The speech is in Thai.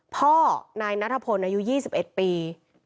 พ่อนายนัทพลอายุ๒๑ปี